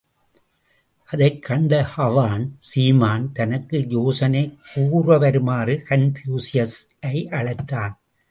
அதைக் கன்ட ஹுவான் சீமான், தனக்கு யோசனை கூறவருமாறு கன்பூசியசை அழைத்தான்.